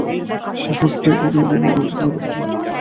সেই ফাঁকটাই দিনে দিনে ধরা পড়বে।